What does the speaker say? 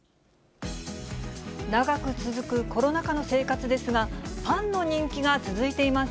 長く続くコロナ禍の生活ですが、パンの人気が続いています。